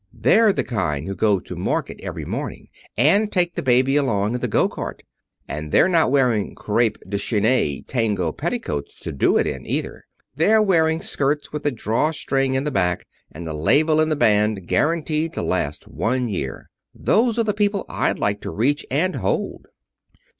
They're the kind who go to market every morning, and take the baby along in the go cart, and they're not wearing crêpe de chine tango petticoats to do it in, either. They're wearing skirts with a drawstring in the back, and a label in the band, guaranteed to last one year. Those are the people I'd like to reach, and hold."